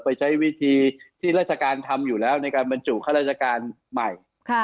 ไปใช้วิธีที่ราชการทำอยู่แล้วในการบรรจุข้าราชการใหม่